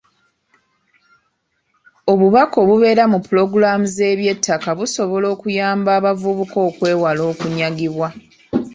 Obubaka obubeera mu pulogulaamu z'eby'ettaka busobola okuyamba abavubuka okwewala okunyagibwa.